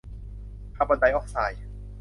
คาร์บอนไดออกไซด์